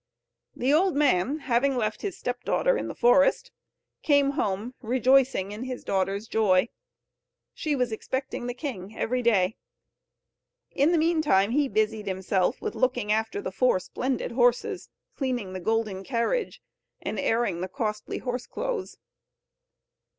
The old man having left his stepdaughter in the forest came home rejoicing in his daughter's joy. She was expecting the king every day. In the meantime he busied himself with looking after the four splendid horses, cleaning the golden carriage, and airing the costly horse clothes.